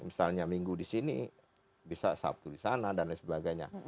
misalnya minggu di sini bisa sabtu di sana dan lain sebagainya